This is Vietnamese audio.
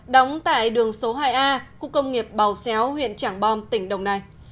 đóng tại đường số hai a khu công nghiệp bào xéo huyện trảng bom tỉnh đồng nai